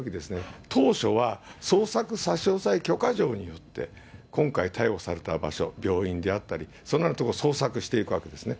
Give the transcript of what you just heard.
このような捜査を行うときですね、当初は捜索差し押さえ許可状によって、今回逮捕された場所、病院であったり、そんな所を捜索していくわけですね。